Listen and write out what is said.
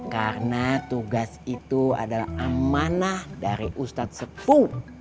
karena tugas itu adalah amanah dari ustadz sepu